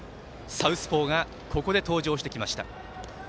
サウスポーがここで登場してきました。